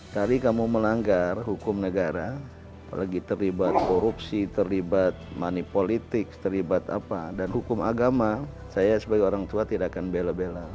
kali kamu melanggar hukum negara apalagi terlibat korupsi terlibat money politics terlibat apa dan hukum agama saya sebagai orang tua tidak akan bela bela